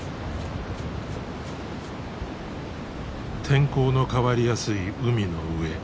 天候の変わりやすい海の上。